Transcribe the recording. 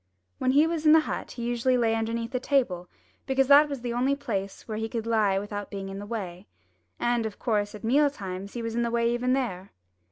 When he was in the hut he usually lay underneath the table, because that was the only place where he could lie without being in the way. And, of course, at meal times he was in the way even there.